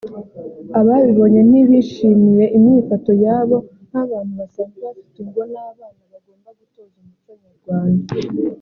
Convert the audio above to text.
Ababibonye ntibishimiye imyifato yabo nk’abantu basanzwe bafite ingo n’abana bagomba gutoza umuco nyarwanda